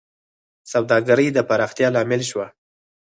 سوداګرۍ د پراختیا لامل شوه.